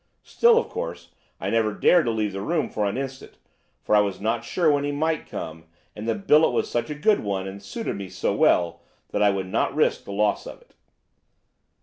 Still, of course, I never dared to leave the room for an instant, for I was not sure when he might come, and the billet was such a good one, and suited me so well, that I would not risk the loss of it.